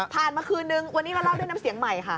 มาคืนนึงวันนี้มาเล่าด้วยน้ำเสียงใหม่ค่ะ